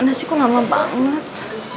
mana sih kok lama banget